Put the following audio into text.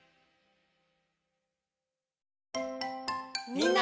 みんな！